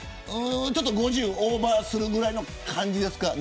５０をオーバーするぐらいの感じですか。